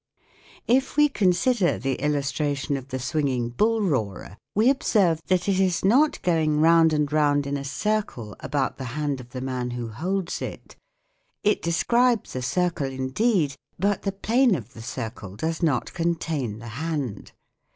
If we consider the illustration of the swinging bull roarer we observe that it is not going round and round in a circle about the hand of the man who holds it. It describes a circle indeed, but the plane of the circle does not contain the hand.